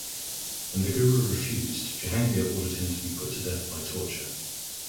When the Guru refused, Jahangir ordered him to be put to death by torture.